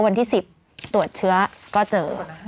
วันที่๑๐ตรวจเชื้อก็เจอ